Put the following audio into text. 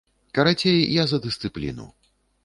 Карацей, я за дысцыпліну.